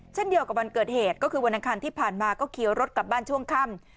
เช่นเดียวกับวันเกิดเหตุก็คือวันอังคารที่ผ่านมาก็เคี้ยวรถกลับบ้านช่วงค่ำ